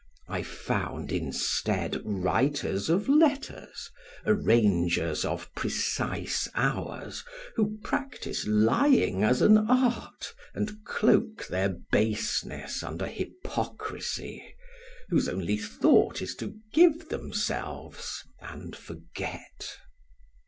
I found, instead, writers of letters, arrangers of precise hours who practise lying as an art and cloak their baseness under hypocrisy, whose only thought is to give themselves and forget.